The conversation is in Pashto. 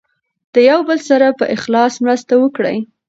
د یو بل سره په اخلاص مرسته وکړئ.